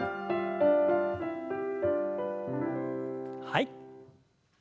はい。